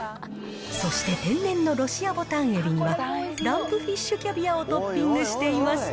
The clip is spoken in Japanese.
そして天然のロシアぼたん海老には、ランプフィッシュキャビアをトッピングしています。